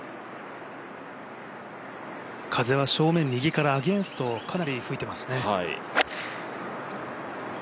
風は正面右からアゲンストかなり吹いていますね。